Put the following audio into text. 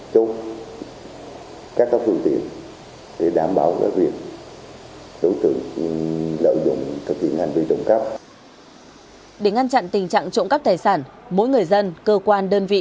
chúc các cấp thư tiện để đảm bảo đối tượng lợi dụng